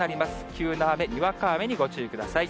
急な雨、にわか雨にご注意ください。